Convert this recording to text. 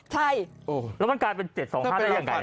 หรือแล้วมันกลายเป็น๗๒๕ได้อย่างไร